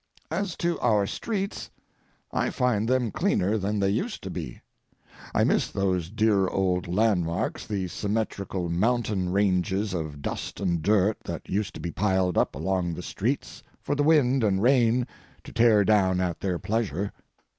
As to our streets, I find them cleaner than they used to be. I miss those dear old landmarks, the symmetrical mountain ranges of dust and dirt that used to be piled up along the streets for the wind and rain to tear down at their pleasure.